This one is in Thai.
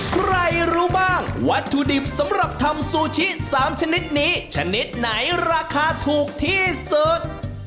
ใครรู้บ้างวัตถุดิบสำหรับทำซูชิ๓ชนิดนี้ชนิดไหนราคาถูกที่สุด